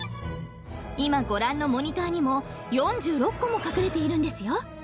［今ご覧のモニターにも４６個も隠れているんですよ］